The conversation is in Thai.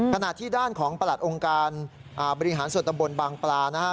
ขณะที่ด้านของประหลัดองค์การบริหารส่วนตำบลบางปลานะฮะ